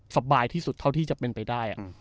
สบายที่สุดเท่าที่จะเป็นไปได้